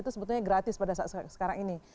itu sebetulnya gratis pada saat sekarang ini